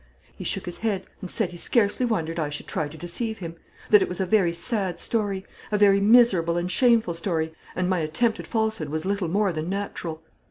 He shook his head, and said he scarcely wondered I should try to deceive him; that it was a very sad story, a very miserable and shameful story, and my attempted falsehood was little more than natural.